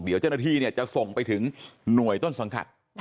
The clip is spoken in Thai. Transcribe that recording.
เดี๋ยวเจ้าหน้าที่จะส่งไปถึงหน่วยต้นสังกัด